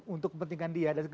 untuk kepentingan dia